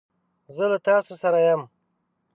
زه له تاسو سره یم.